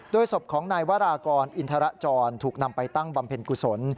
ศพของนายวรากรอินทรจรถูกนำไปตั้งบำเพ็ญกุศล